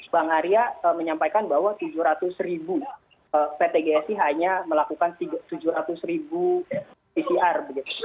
bang arya menyampaikan bahwa tujuh ratus ribu pt gsi hanya melakukan tujuh ratus ribu pcr